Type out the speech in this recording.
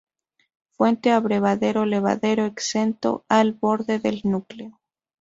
Fuente-abrevadero-lavadero, exento al borde del núcleo.